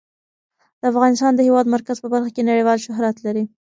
افغانستان د د هېواد مرکز په برخه کې نړیوال شهرت لري.